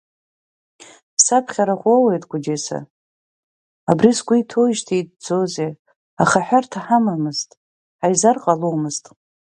Саԥхьа рахә уоуеит, Гәдиса, абри сгәы иҭыхоижьҭеи иҵӡозеи, аха аҳәарҭа ҳамамызт, ҳаизар ҟаломызт.